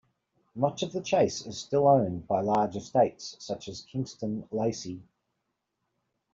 Much of the Chase is still owned by large estates such as Kingston Lacy.